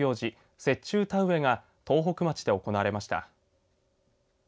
雪中田植えが東北町で行われました。